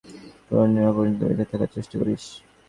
পূর্ণিমা পর্যন্ত বেঁচে থাকার চেষ্টা করিস।